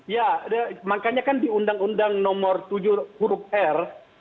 ya makanya kan di undang undang nomor tujuh huruf r